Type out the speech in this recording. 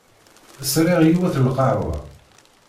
Sriɣ yiwet n lqahwa.